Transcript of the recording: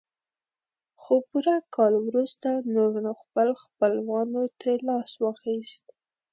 خو پوره کال وروسته نور نو خپل خپلوانو ترې لاس واخيست.